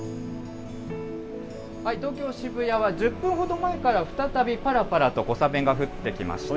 東京・渋谷は、１０分ほど前から再びぱらぱらと小雨が降ってきました。